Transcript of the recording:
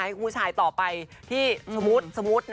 ให้ผู้ชายต่อไปที่สมมุติ